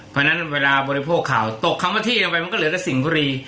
เพราะฉะนั้นเวลาบริโภคข่าวตกคำว่าที่เอาไปมันก็เหลือแต่สิ่งบุรี